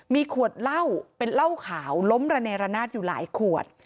มีขวดเหล้าเป็นเหล้าขาวล้มระเนรนาศอยู่หลายขวด